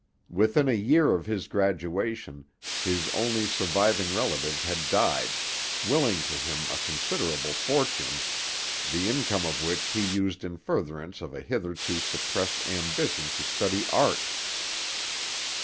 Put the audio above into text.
Within a year of his graduation his only surviving relative had died, willing to him a considerable fortune, the income of which he used in furtherance of a hitherto suppressed ambition to study art.